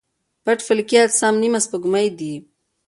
پټ فلکي اجسام نیمه سپوږمۍ دي.